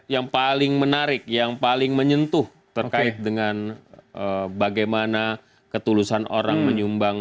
yang paling menarik yang paling menyentuh terkait dengan bagaimana ketulusan orang menyumbang